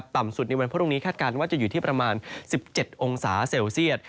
ต่ำสุดในวันพรุ่งนี้คาดการณ์ว่าจะอยู่ที่ประมาณ๑๗องศาเซลเซียต